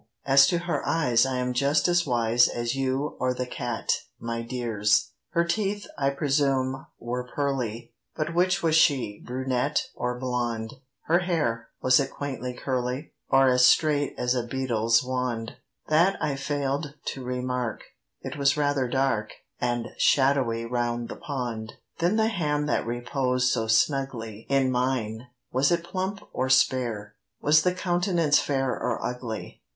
as to her eyes I am just as wise As you or the cat, my dears. Her teeth, I presume, were "pearly": But which was she, brunette or blonde? Her hair, was it quaintly curly, Or as straight as a beadle's wand? That I fail'd to remark;—it was rather dark And shadowy round the pond. Then the hand that reposed so snugly In mine—was it plump or spare? Was the countenance fair or ugly?